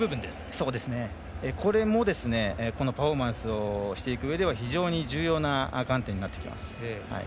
これもこのパフォーマンスをしていくうえでは非常に重要な観点になってきます。